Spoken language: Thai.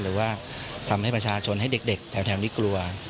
หรือว่าทำให้ประชาชนให้เด็กแถวนี้กลัว